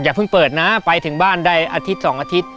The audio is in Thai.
เพิ่งเปิดนะไปถึงบ้านได้อาทิตย์๒อาทิตย์